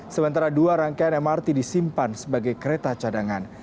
sementara dua rangkaian mrt disimpan sebagai kereta cadangan